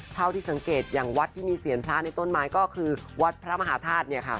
เท่าที่สังเกตอย่างวัดที่มีเสียงพระในต้นไม้ก็คือวัดพระมหาธาตุเนี่ยค่ะ